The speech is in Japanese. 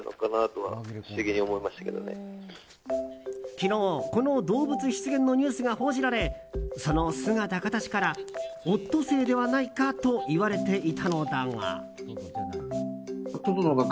昨日、この動物出現のニュースが報じられその姿、形からオットセイではないかといわれていたのだが。